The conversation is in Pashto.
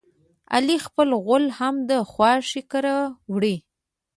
علي خپل غول هم د خواښې کره وړي.